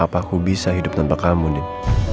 apaku bisa hidup tanpa kamu din